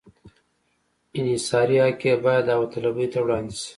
انحصاري حق یې باید داوطلبۍ ته وړاندې شي.